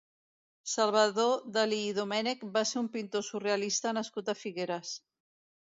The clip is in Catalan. Salvador Dalí i Domènech va ser un pintor surrealista nascut a Figueres.